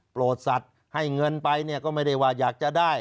โปรดสัตว์ให้เงินไปเนี่ยก็ไม่ได้ว่าอยากจะได้